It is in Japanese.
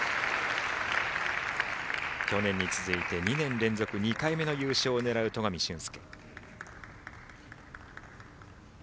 去年に続いて２年連続２回目の優勝を狙う戸上隼輔。